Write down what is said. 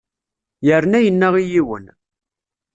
Yerna yenna i yiwen.